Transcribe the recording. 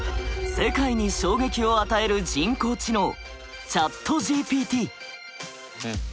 世界に衝撃を与える人工知能「ＣｈａｔＧＰＴ」。